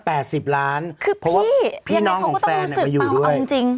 เพราะว่าพี่น้องของแฟนมาอยู่ด้วย